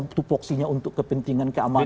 betul poksinya untuk kepentingan keamanan